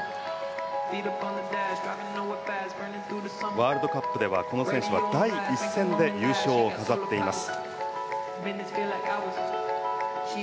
ワールドカップではこの選手は第１戦で優勝を飾っています。